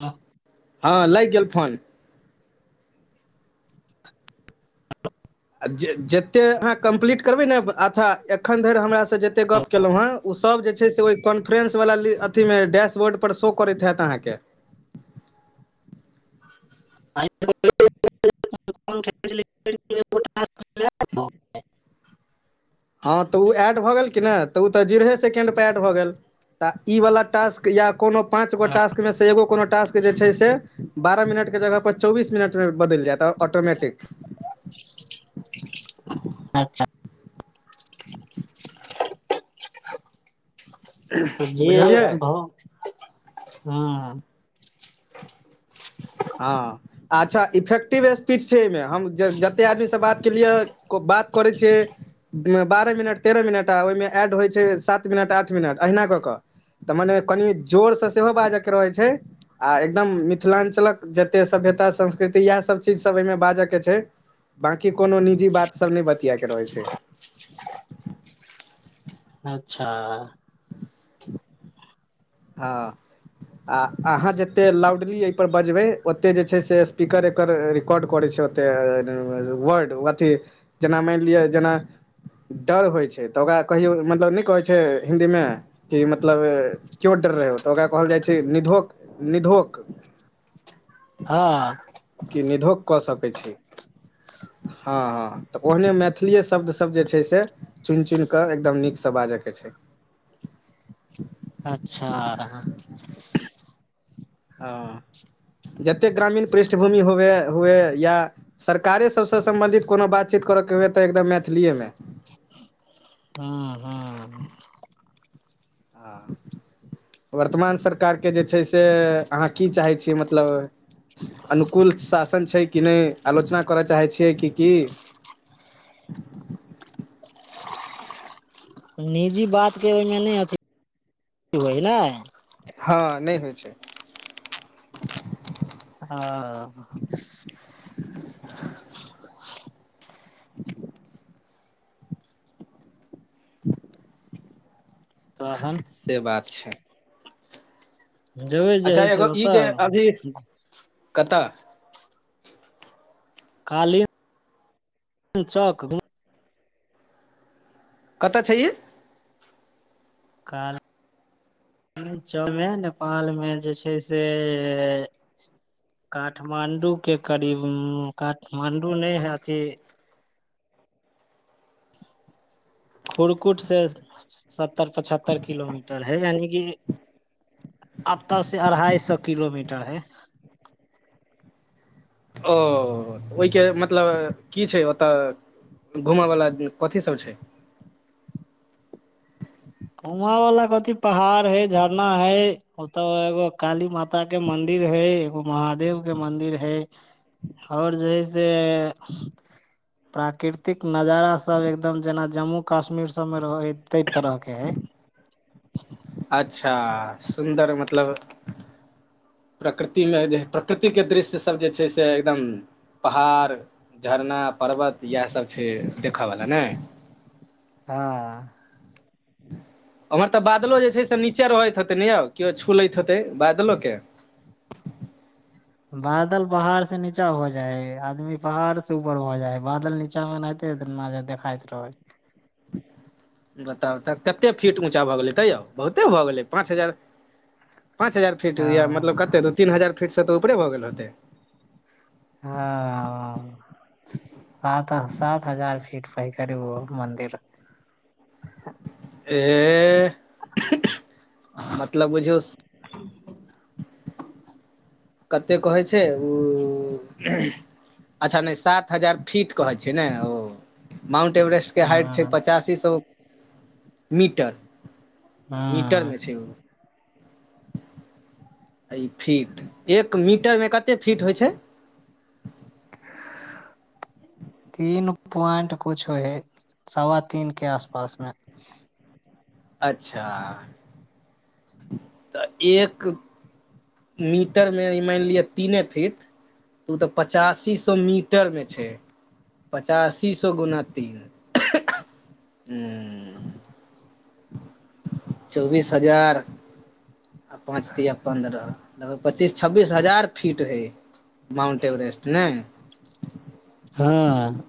अच्छा हँ लाइग गेल फोन [inaudible] आ जे जत्ते अहाँ कम्प्लीट करबै नै अच्छा एखन धैर हमरा से जत्ते गप केलो हेँ ओ सब जे छै से ओय कॉन्फ्रेन्स वला ली अथी मे डैशबोर्ड पर शो करैत हैत अहाँकेँ [inaudible] [inaudible] हँ तऽ उ एड भऽ गेल कि नय उ तऽ जीरोहे सेकेंड पर एड भऽ गेल तऽ ईवला टास्क या कोनो पाँच गो टास्कमे से एगो कोनो टास्क जे छै से बारह मिनट कऽ जगह पर चौबीस मिनट मे बदैल जैता हँ ऑटोमैटिक [inaudible] अच्छऽ तऽ जे बुझलियै भौ हँ हँ अच्छा इफेक्टिव स्पीड छै एमे हम ज - जते आदमी सँ बात केलियै को बात करै छियै। बारह मिनट, तेरह मिनट आ ओय मे एड होय छै सात मिनट, आठ मिनट अहिना कऽ कऽ तऽ मने कनि जोर सँ सेहो बाजऽ कऽ रहै छै आ एकदम मिथिलांचलक जते सभ्यता संस्कृति यैह सब चीज सब एमे बाजअ केँ छै। बकी कोनो निजी बात सब नै बतिया केँ रहै छै। अच्छऽ हँ आ अहाँ जत्ते लाउडली एय पर बजबै ओत्ते जे छै से स्पीकर ए ओकर रिकॉर्ड करे छै ओता ए [unintelligible] ओतए वर्ड अथी जना माइन लिया जना डर होय छै तऽ ओकरा कहियौ मतलब नै कहै छै हिंदी मे कि मतलब क्यो डर रहे हो तऽ ओकरा कहै जाय छै निधोक-निधोक हां। कि निधोक क सकय छी, हां-हां। त ओहने मैथिलीए शब्द सब जे छै से चुन-चुन कै एकदम नीक से बाजय के छै। अच्छा। हां जत्ते ग्रामीण पृष्ठभूमि हुवए, हुए या सरकारे सबसे सम्बन्धित कोनो बातचीत कराके हए तै एकदम मैथिलीए में। हां-हां। हां। वर्तमान सरकार के जे छै से अहाँ की चाहै छियै मतलब अनुकूल शासन छै कि नै? आलोचना करा चाहै छियै की की? निजी बात के ओय में नै अथी होए नै? हां‌ नै होय छै। हां। तहन से बात छै। जेबै जे अच्छा हइ से एगो ई जे ओतऽ अभी कता खाली। [unintelligible] कत छैई। का उम्म चौ में नेपाल में जे छै से काठमाण्डू के करीब उम्म काठमाण्डू नै हय अथी [unintelligible] खुरकुट से सत्तर-पचहत्तर किलोमीटर हय यानि कि अत्ता से अड़हाय सौ किलोमीटर हय। ओ ओय के मतलब की छै ओता घूमा बला उम्म कथी सब छै? घुमो बला कथी पहाड़ है झरना है ओ त एगो काली माता माता के मंदिर है एगो महादेव के मंदिर है। और जैसे प्राकृतिक नजारा सब एकदम जेना जम्मू काश्मीर सब में रहय है तय तरह के [unintelligible] अच्छा सुन्दर मतलब प्रकृति में जे प्रकृति के दृश्य सब जे छै से एकदम पहाड़ झरना, पर्वत यैह सब छै देखावला नै? हां। ओम्हर तऽ बादलो जे छै से नीचे रहैत हेतै ने यौ केओ छू लैत हेतै बादलो के बादल बहार से नीचा हो जाए है आदमी पहार से ऊपर भ जाए है बादल नीचा एनाइते [unintelligible] देखाइत रहय बताउ त कते फीट ऊँचा भऽ गेलै तैयौ बहुते भऽ गेलै पाँच हजार पाँच हजार फीट या हँ मतलब कते दू तीन हजार फीट सँ तऽ ऊपरे भऽ गेल होतै? हाँ सातह सात हजार फीट पै करी ओ मंन्दिर एह [unintelligible] मतलब बुझू [inaudible] कते कहै छै उ अच्छा नय सात हजार फीट कहै छै नै ओ माउंट एवरेस्ट के हाइट छै हँ पचासी सौ मीटर हँ मीटरमे छै ओ। आ ई फीट एक मीटरमे कते फीट होइ छै? तीन प्वाइंट कुछ होय हय सवा तीन के आस पास मे अच्छा तऽ एक मीटरमे मानि लिअ तीने फीट ओ तऽ पचासी सौ मीटर मे छै पचासी सौ गुना तीन हुँ चौबीस हजार आ पाँच तिया पन्द्रह लगभग पच्चीस छब्बीस हजार फीट हय माउन्ट एवरेस्ट नय? हँ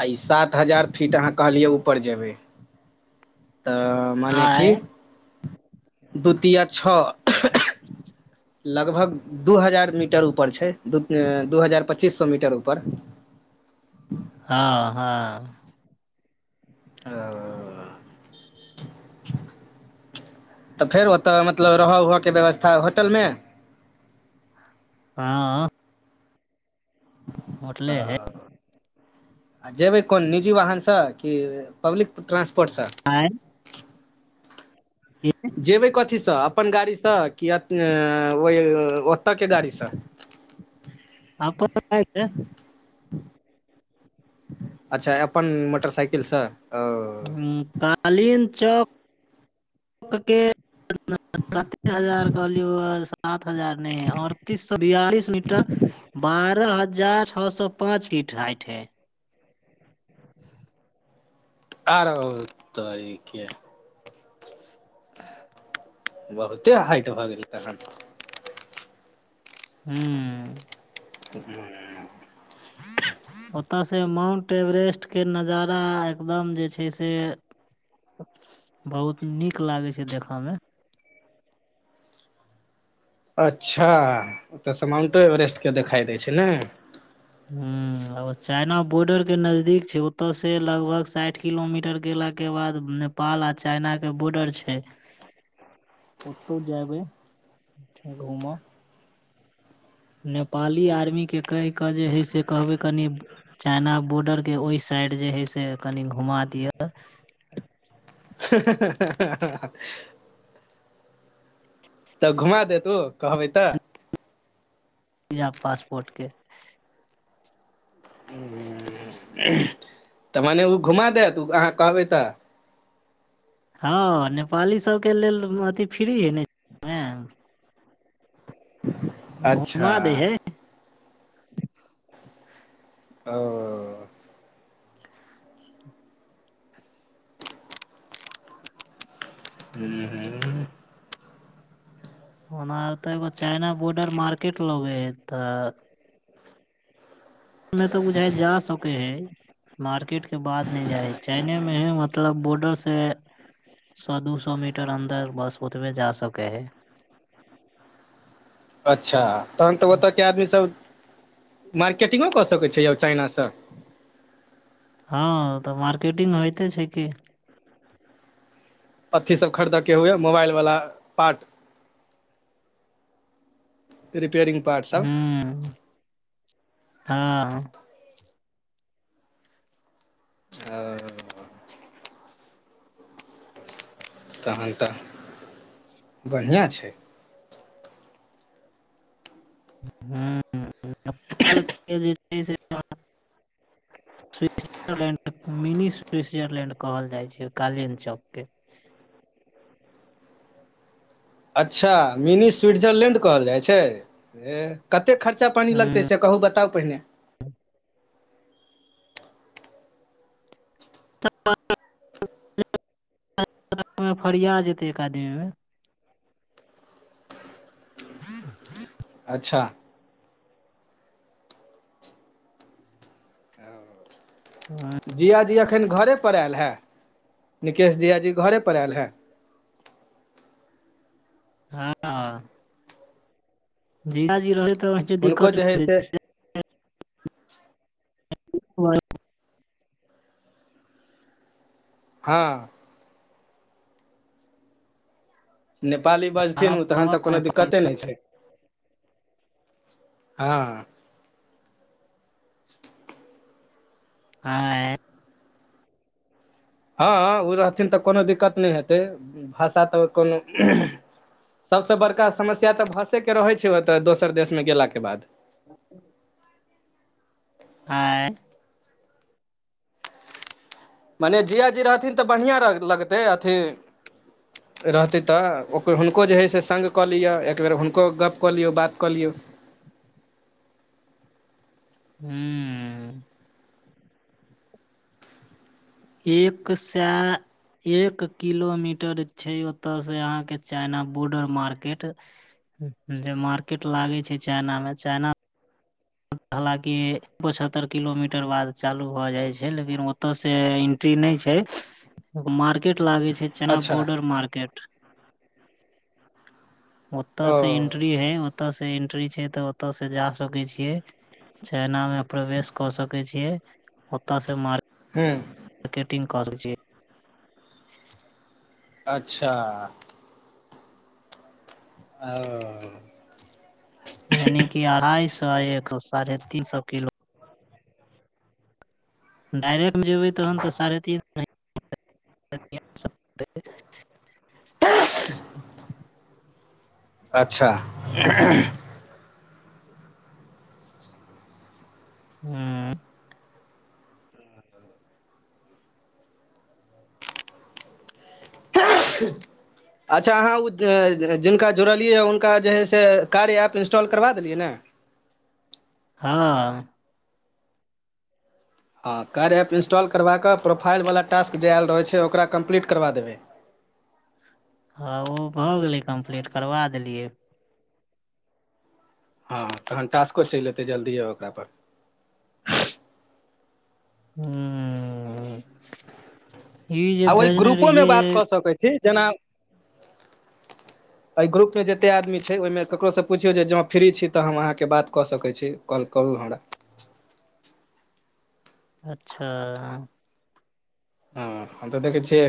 आ ई सात हजार फीट अहाँ कहलियै ऊपर जेबै। तऽ माने आय की? दू तिया छौ लगभग दू हजार मीटर ऊपर छै दू ऐं दू हजार पच्चीस सौ मीटर ऊपर। हँ हँ ओ तऽ फेर ओतऽ मतलब रहऽ उहऽके व्यवस्था होटलमे? हाँ ओ होटले है आ जेबै कोन निजी वाहनसँ की पब्लिक ट्रांसपोर्टसँ? आँय? जेबै कथीसँ? अपन गाड़ीसँ की अ ओही ओतऽ के गाड़ीसँ? अपन बाइकसे अच्छा अपन मोटरसाइकिलसँ ओ हुँ कालीन चौक के [unintelligible] हजार कहलियौ सात हजार नय अरतीस सौ बियालिस मीटर बारह हजार छौ सौ पाँच फीट हाइट हय [inaudible] आरौ तोरीके [inaudible] बहुते हाइट भऽ गेलै तहन हुँ बुझलौं ने [inaudible] [inaudible] ओतऽ से माउंट एवरेस्ट के नजारा एकदम जे छै से बहुत नीक लागै छै देखऽ मे अच्छा ओतऽ स माउंटो एवरेस्ट के देखाइ दै छै ने हुँ लव चाइना बॉर्डर के नजदीक छै ओतऽ से लगभग साइठ किलोमीटर गेलाके बाद ने पाल आ चाइना के बॉर्डर छै ओतौ जेबै घूमऽ नेपाली आर्मी के कैह कऽ जे हइ से कहबै कनी चाइना बॉर्डर के ओय साइड जे हय से कनि घुमा दिअ [unintelligible] तऽ घुमा देत ओ कहबै तऽ बीजा पासपोर्ट के तऽ मने उ घुमा देत उ अहाँ कहबै तऽ हँ हँ नेपाली सब के लेल म अथी फ्री है ने [unintelligible] [inaudible] घुमा दै है ओ [inaudible] [inaudible] ओना तऽ एगो चाइना बॉर्डर मार्केट लगै हय एतऽ में तऽ बुझाइया जा सकै है मार्केट के बाद नय जाइ हइ चाइने में हय मतलब बॉर्डर से सौ दुसौ मीटर अन्दर बस ओतबै जा सकय है अच्छा तहन तऽ ओतऽ के आदमी सब मार्केटिंगो कऽ सकै छै चाइना स हँ तऽ मार्केटिंग होइते छै की अथी सब खरीदयके हुए मोबाइल वाला पार्ट रिपेयरिंग पार्ट सब हम्म हाँ ओ [inaudible] तहन तऽ बढ़ियां छै [inaudible] [inaudible] [inaudible] स्विटजरलैंड [inaudible] के मिनी स्विटजरलैंड कहल जाय छै कालिन चौक के अच्छा मिनी स्विट्जरलैण्ड कहल जाइ छै ए कत्ते खर्चा पानी लगतै हूँ से कहू बताउ पहिने [inaudible] फरिया जेतै एक आदमी में [inaudible] अच्छा हँ जीजा जी अखन घरे पर आयल है निकेश जीजा जी घरे पर आयल है हँ जीजी रहै तऽ [inaudible] व हुनको जे दिक्कते हइ होइ से छै [inaudible] हाँ नेपाली बजथिन ओ तहन तऽ कोनो दिक्कते नय छै [inaudible] हँ आएय हँ उ रहथिन तऽ कोनो दिक्कत नय हेतै भाषा तऽ कोनो सबसँ बड़का समस्या तऽ भषेके रहै छै ओतऽ दोसर देशमे गेलाके बाद [inaudible] आँय मने जीजा जी रहथिन तऽ बढ़ियाँ लगतै अथी रहतै तऽ ओकर हुनको जे हइ से संग कऽ लिअ एकबेर हुनको गप्प कऽ लियौ बात कऽ लियौ हुँ एक सै एक किलोमीटर छै ओतऽ से अहाँके चाइना बोर्डर मार्केट जे मार्केट लागै छै चाइना मे चाइना हालांकि पचहत्तर किलोमीटर बाद चालू भऽ जाइ छै लेकिन ओतय से ती नय छै मार्केट लागे छै चना अच्छा बोर्डर मार्केट ओतय ओ से एंट्री हय ओतऽ से एंट्री छै तऽ ओतय से जा सकै छी के चाइना मे प्रवेश कऽ सकैत छियै ओत से मार हुँ मारकेटिंग कऽ सकै छियै। [inaudible] अच्छा ओ यानी की अढ़ाई सौ आ एक सौ साढ़े तीन सौ किलो डायरेक्ट जेबै तहन तऽ साढ़े तीन म [unintelligible] [inaudible] अच्छा हुँ [inaudible] अच्छा अहाँ ओ जिनका जुड़लियै हँ हुनका जे है से कार्य एप इन्स्टॉल करबा देलियै ने हँ हँ कार्य एप इन्स्टॉल करबा कऽ प्रोफाइल वला टास्क जे आयल रहै छै ओकरा कम्प्लीट करबा देबै हँ ओ भऽ गेलै कम्प्लीट करबा देलियै हँ तहन टास्को चलि एतै जल्दीए ओकरा पर हुँ आ ओइ ग्रुपोमे बात कऽ सकै छी जेना [inaudible] अइ ग्रुपमे जेते आदमी छै ओइमे ककरोसँ पुछियौ जे जँ फ्री छी तऽ हम अहाँके बात कऽ सकै छी काॅल करू हमरा अच्छा हँ हम तऽ देखै छियै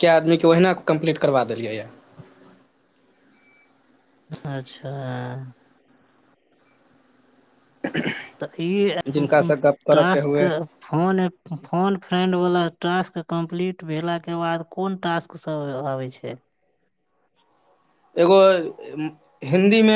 कए आदमीके ओहिना कम्प्लीट करबा देलियै ये अच्छा तऽ फिर जिनकासँ [unintelligible] गप्प करयके टास्क हुए फोन ए फोन फ्रेंड वाला टास्क कम्पलीट भेला के बाद कोन टास्क सब आबै छै एगो हिन्दी मे